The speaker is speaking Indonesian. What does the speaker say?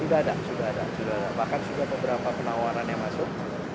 sudah ada sudah ada bahkan sudah beberapa penawarannya masuk